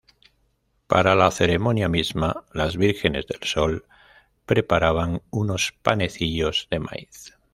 Para la ceremonia misma, las vírgenes del Sol preparaban unos panecillos de maíz.